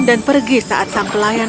dan pergi saat sang pelayan